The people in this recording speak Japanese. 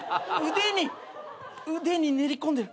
腕に腕に練り込んでる。